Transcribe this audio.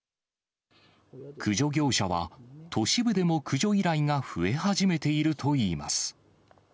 駆除業者は、都市部でも駆除依頼が増え始めているといいます。